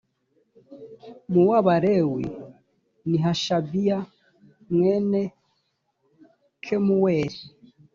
mu w abalewi ni hashabiya mwene kemuweli